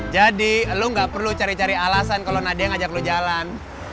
jadi lo gak perlu cari cari alasan kalau nadia ngajak lo jalan